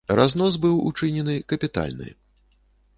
Разнос быў учынены капітальны.